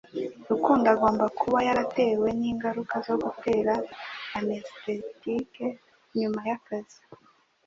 Rukundo agomba kuba yaratewe ningaruka zo gutera anesthetic nyuma yakazi